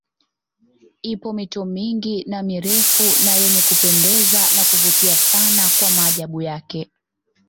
Ipo mito mingi na mirefu na yenye kupendeza na kuvutia sana kwa maajabu yake